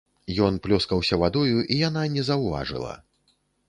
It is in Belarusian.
Ён плёскаўся вадою, і яна не заўважыла.